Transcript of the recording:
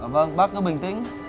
vâng bác cứ bình tĩnh